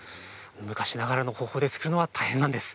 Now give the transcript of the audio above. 昔ながらの方法で作るのは大変なんです。